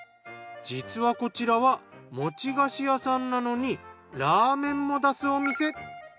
実はこちらは餅菓子屋さんなのにラーメンも出すお店。